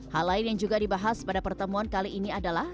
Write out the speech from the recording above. hal lain yang juga dibahas pada pertemuan kali ini adalah